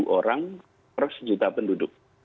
satu orang per sejuta penduduk